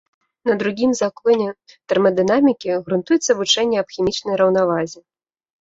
На другім законе тэрмадынамікі грунтуецца вучэнне аб хімічнай раўнавазе.